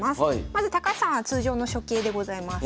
まず高橋さんは通常の初形でございます。